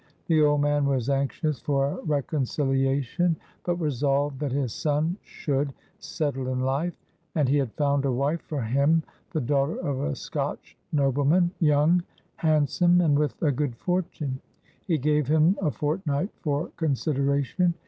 The old man was anxious for a reconciliation, but resolved that his son should "settle in life;" and he had found a wife for him, the daughter of a Scotch nobleman, young, handsome, and with a good fortune. He gave him a fortnight for consideration.